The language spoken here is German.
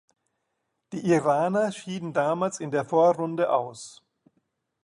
Die Iraner schieden damals in der Vorrunde aus.